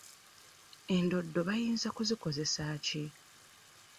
Endoddo bayinza kuzikozesa ki?